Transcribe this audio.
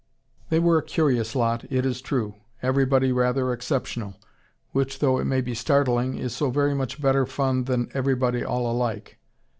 They were a curious lot, it is true: everybody rather exceptional. Which though it may be startling, is so very much better fun than everybody all alike.